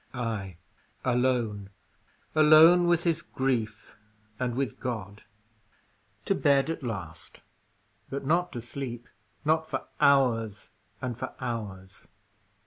Ay, alone. Alone with his grief and with God. To bed at last, but not to sleep; not for hours and for hours.